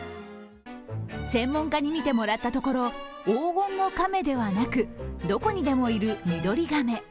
専門家に見てもらったところ、黄金の亀ではなくどこにでもいるミドリガメ。